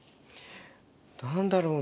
何だろうな？